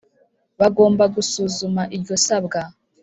Bagomba gusuzuma iryo sabwa